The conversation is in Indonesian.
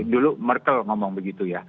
dulu merkel ngomong begitu